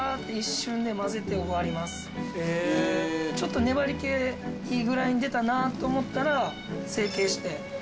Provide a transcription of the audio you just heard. ちょっと粘り気いいぐらいに出たなと思ったら成形して。